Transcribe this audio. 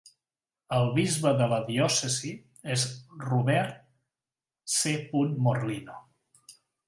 El bisbe de la diòcesi és Robert C. Morlino.